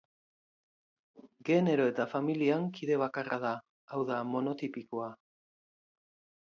Genero eta familian kide bakarra da, hau da, monotipikoa.